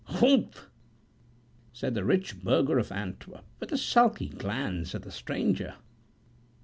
"Humph!" said the rich burgher of Antwerp, with a sulky glance at the stranger."